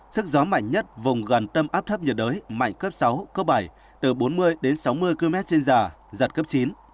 sức gió mạnh nhất vùng gần tâm áp thấp nhiệt đới mạnh cấp sáu cấp bảy từ bốn mươi đến sáu mươi km trên giờ giật cấp chín